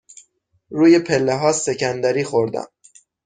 روی پله ها سکندری خوردم.